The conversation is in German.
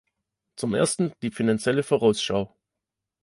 Zum Ersten die Finanzielle Vorausschau.